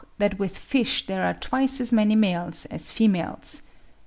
775), that with fish there are twice as many males as females.)